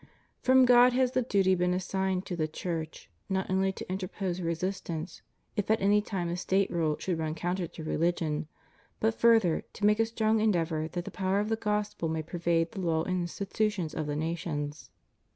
From God has the duty been assigned to the Church not only to interpose resistance, if at any time the State rule should run counter to rehgion, but, further, to make a strong endeavor that the power of the Gospel may pervade the law and institutions of the nations.